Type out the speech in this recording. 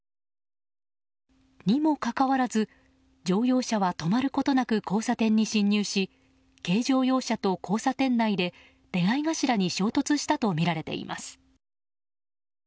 にもかかわらず乗用車は止まることなく交差点に進入し、軽乗用車と交差点内で出合い頭に衝突したとみられています。